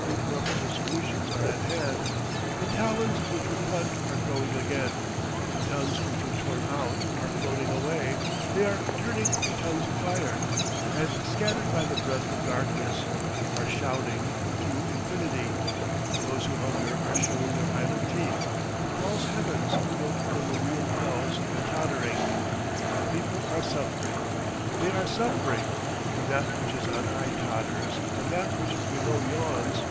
Incorruptible solutions are at hand: the talons which were cut are growing again; the tongues which were torn out are floating away, they are turning to tongues of fire, and, scattered by the breath of darkness, are shouting through infinity; those who hunger are showing their idle teeth; false heavens, built over real hells, are tottering. The people are suffering they are suffering; and that which is on high totters, and that which is below yawns.